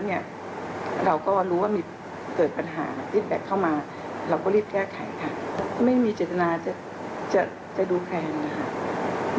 ติดแบบเข้ามาเราก็รีบแก้ไขค่ะไม่มีเจตนาจะจะจะดูแคลนนะคะ